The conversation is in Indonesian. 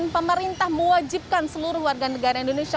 pemerintah mewajibkan seluruh warga negara indonesia